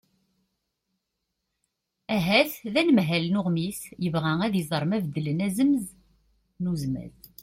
ahat d anemhal n uɣmis yebɣa ad iẓer ma beddlen azemz n uzmaz